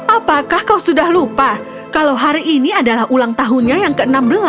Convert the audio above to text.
apakah kau sudah lupa kalau hari ini adalah ulang tahunnya yang ke enam belas